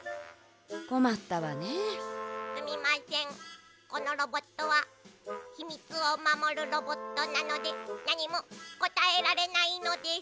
このロボットはひみつをまもるロボットなのでなにもこたえられないのです。